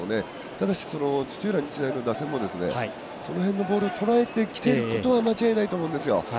ただし、土浦日大の打線もその辺のボールをとらえてきていることは間違いないと思うんですよ。